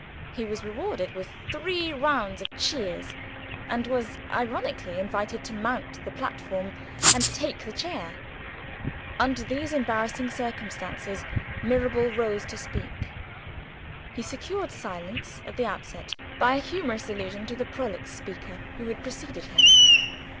He was rewarded with three rounds of cheers; and was ironically invited to mount the platform and take the chair. Under these embarrassing circumstances, Mirabel rose to speak. He secured silence, at the outset, by a humorous allusion to the prolix speaker who had preceded him.